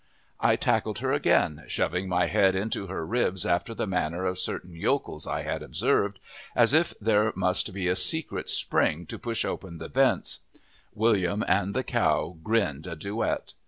I tackled her again, shoving my head into her ribs after the manner of certain yokels I had observed, as if there must be a secret spring to push open the vents. William and the cow grinned a duet.